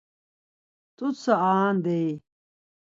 T̆utsa aan, deyi.